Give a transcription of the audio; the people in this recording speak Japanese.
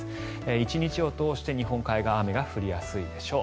１日を通して日本海側雨が降りやすいでしょう。